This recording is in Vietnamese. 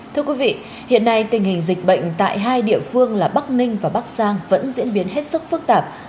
thưa quý vị hiện nay tình hình dịch bệnh tại hai địa phương là bắc ninh và bắc giang vẫn diễn biến hết sức phức tạp